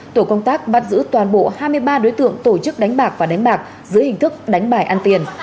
tổ công tác bắt giữ toàn bộ hai mươi ba đối tượng tổ chức đánh bạc và đánh bạc dưới hình thức đánh bài ăn tiền